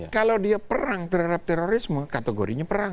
kalau dia perang terhadap terorisme kategorinya perang